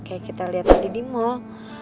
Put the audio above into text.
ya kayak kita liat tadi di mall